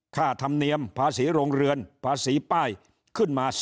ค่าธรรมเนียมภาษีโรงเรือนภาษีป้ายขึ้นมา